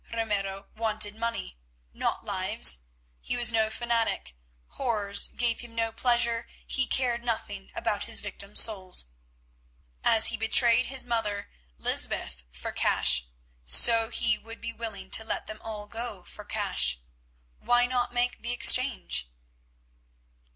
Ramiro wanted money, not lives. He was no fanatic; horrors gave him no pleasure; he cared nothing about his victims' souls. As he had betrayed his mother, Lysbeth, for cash, so he would be willing to let them all go for cash. Why not make the exchange?